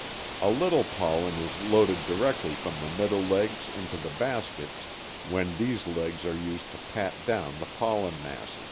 7.) A little pollen is loaded directly from the middle legs into the baskets when these legs are used to pat down the pollen masses.